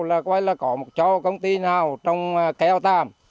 là quay là có một cho công ty nào trong kéo tàm